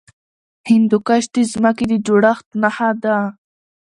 هندوکش د ځمکې د جوړښت نښه ده.